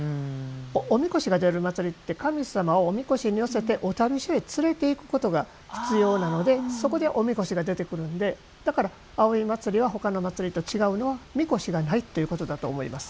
おみこしが出る祭りって神様をおみこしに乗せて御旅所へ連れていくことが必要なのでそこでおみこしが出てくるのでだから葵祭は他の祭りと違うのはみこしがないということだと思います。